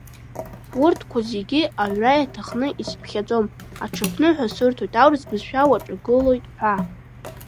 Урҭқәа зегьы аҩра иаҭахны исыԥхьаӡом, аҽыԥныҳәа сырҭоит аурыс бызшәа уаҿагылоит ҳәа.